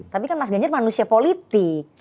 tapi kan mas ganjar manusia politik